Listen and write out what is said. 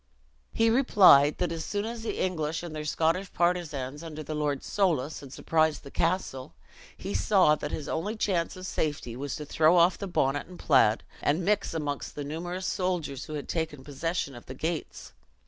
He replied, that as soon as the English, and their Scottish partisans under Lord Soulis, had surprised the castle, he saw that his only chance of safety was to throw off the bonnet and plaid, and mix amongst the numerous soldiers who had taken possession of the gates.